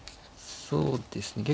そうですね